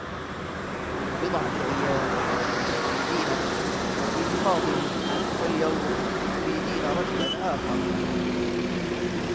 منذ بضعة أيّام، كنتِ تريدين أن تتزوّجي بفاضل، و اليوم تريدين رجلا آخر.